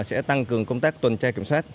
sẽ tăng cường công tác tuần trai kiểm soát